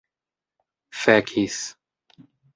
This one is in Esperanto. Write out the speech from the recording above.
fekis